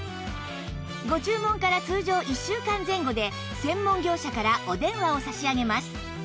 ご注文から通常１週間前後で専門業者からお電話を差し上げます